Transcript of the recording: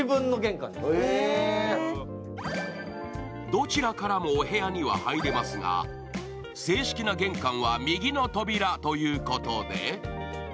どちらからもお部屋には入れますが、正式な玄関は右の扉ということで。